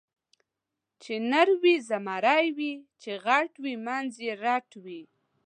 چې نری وي زمری وي، چې غټ وي منځ یې رټ وي.